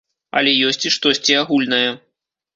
Але ёсць і штосьці агульнае.